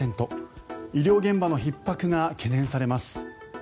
医療現場のひっ迫が懸念されます。